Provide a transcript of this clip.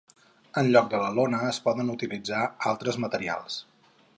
En lloc de la lona es poden utilitzar altres materials.